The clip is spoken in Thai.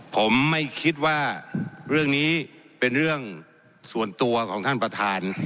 ผมไม่คิดว่าเรื่องนี้เป็นเรื่องส่วนตัวของท่านประธาน